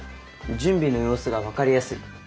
準備の様子が分かりやすい。